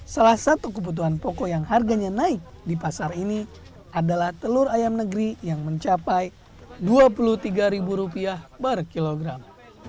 salah satu kebutuhan pokok yang harganya naik di pasar ini adalah telur ayam negeri yang mencapai rp dua puluh tiga per kilogram